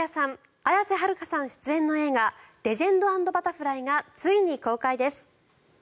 綾瀬はるかさん出演の映画「レジェンド＆バタフライ」がついに公開です。